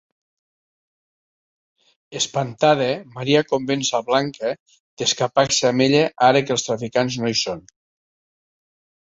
Espantada, Maria convenç a Blanca d'escapar-se amb ella ara que els traficants no hi són.